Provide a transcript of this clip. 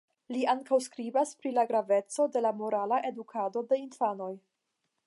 Li ankaŭ skribas pri la graveco de la morala edukado de infanoj.